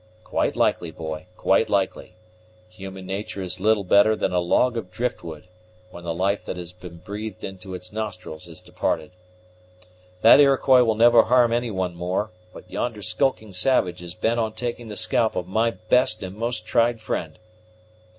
"Quite likely, boy, quite likely. Human natur' is little better than a log of driftwood, when the life that was breathed into its nostrils is departed. That Iroquois will never harm any one more; but yonder skulking savage is bent on taking the scalp of my best and most tried friend."